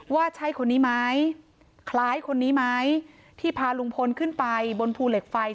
ว่าใช่คนนี้ไหมคล้ายคนนี้ไหมที่พาลุงพลขึ้นไปบนภูเหล็กไฟ